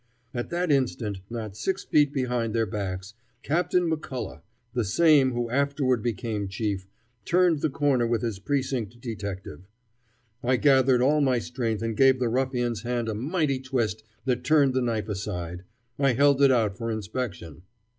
At that instant, not six feet behind their backs, Captain McCullagh the same who afterward became Chief turned the corner with his precinct detective. I gathered all my strength and gave the ruffian's hand a mighty twist that turned the knife aside. I held it out for inspection.